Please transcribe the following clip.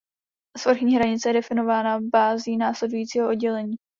Svrchní hranice je definována bází následujícího oddělení.